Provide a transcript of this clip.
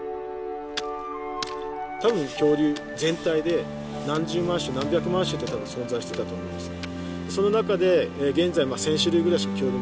多分恐竜全体で何十万種何百万種って存在してたと思うんですね。